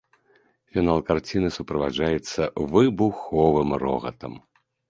Фінал карціны суправаджаецца выбуховым рогатам.